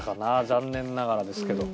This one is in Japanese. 残念ながらですけど。